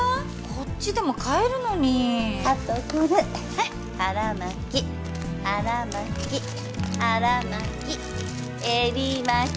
こっちでも買えるのにあとこれはい腹巻き腹巻き腹巻き襟巻き